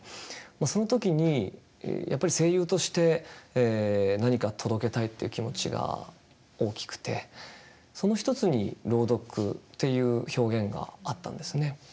その時にやっぱり声優として何か届けたいって気持ちが大きくてその一つに朗読という表現があったんですね。